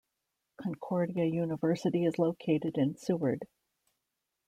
Concordia University is located in Seward.